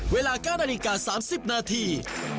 เวลา๙นาฬิกา๓๐นาที